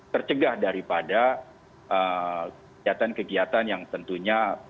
tercegah daripada kegiatan kegiatan yang tentunya